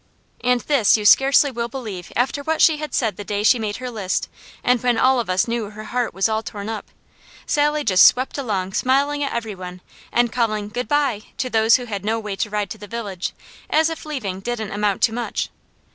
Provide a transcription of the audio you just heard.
And this you scarcely will believe after what she had said the day she made her list, and when all of us knew her heart was all torn up, Sally just swept along smiling at every one and calling "good bye" to those who had no way to ride to the village, as if leaving didn't amount to much.